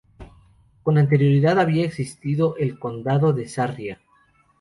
Con anterioridad había existido el condado de Sarria.